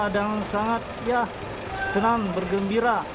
dan sangat senang bergembira